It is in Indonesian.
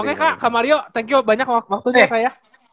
oke kak kak mario thank you banyak waktunya kak ya